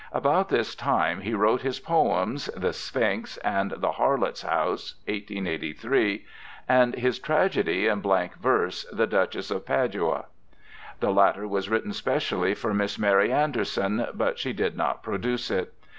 About this time he wrote his poems, The Sphinx and The Harlot's House (1883), and his tragedy in blank verse, The Duchess of Padua. The latter was written specially for Miss Mary Anderson, but she did not produce it.